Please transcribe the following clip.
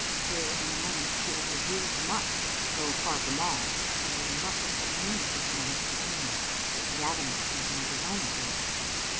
Here in a moment had she revealed much, though far from all, and there must have been many such mo ments between them. But Gavin was thinking of his own affairs.